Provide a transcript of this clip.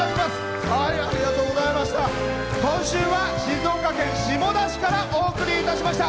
今週は静岡県下田市からお送りいたしました。